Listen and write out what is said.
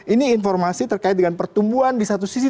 ini informasi terkait dengan pertumbuhan di satu sisi